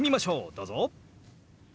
どうぞ。